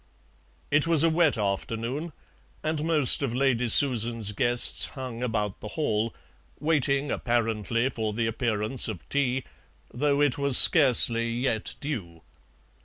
It was a wet afternoon, and most of Lady Susan's guests hung about the hall, waiting apparently for the appearance of tea, though it was scarcely yet due.